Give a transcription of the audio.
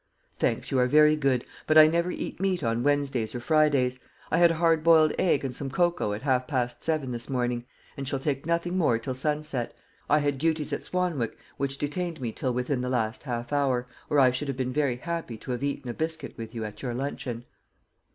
"Thanks, you are very good; but I never eat meat on Wednesdays or Fridays. I had a hard boiled egg and some cocoa at half past seven this morning, and shall take nothing more till sunset. I had duties at Swanwick which detained me till within the last half hour, or I should have been very happy to have eaten a biscuit with you at your luncheon."